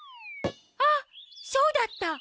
あっそうだった！